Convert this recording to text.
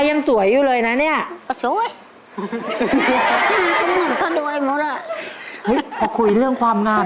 กันลดได้คนเท่าเป็นรอดนะ